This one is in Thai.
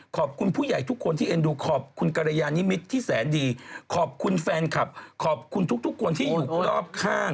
ตบปากให้ไอ้กุ๊บกิ๊บ